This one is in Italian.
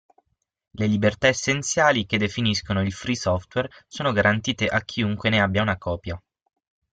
Le libertà essenziali che definiscono il "free software" sono garantite a chiunque ne abbia una copia.